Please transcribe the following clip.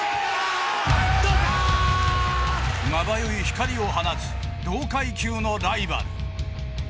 まばゆい光を放つ同階級のライバル。